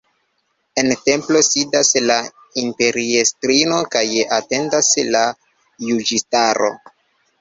En templo sidas la imperiestrino kaj atendas la juĝistaro.